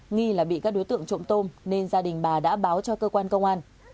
nghi là bị các đối tượng trộm tôm nên gia đình bà đã báo cho cơ quan công an